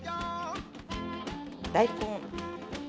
大根。